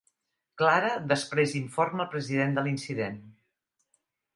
Clara Després informa el President de l'incident.